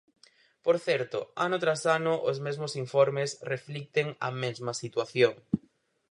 Por certo, ano tras ano os mesmos informes reflicten a mesma situación.